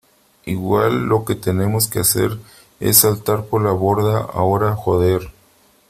igual lo que tenemos que hacer es saltar por la borda ahora , joder .